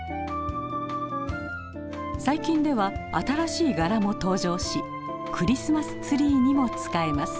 最近では新しい柄も登場しクリスマスツリーにも使えます。